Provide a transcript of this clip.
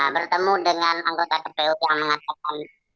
bertemu dengan anggota kpu yang mengatakan